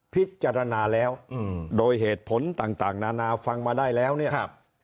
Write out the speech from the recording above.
พิจารณาแล้วโดยเหตุผลต่างนานาฟังมาได้แล้วเนี่ย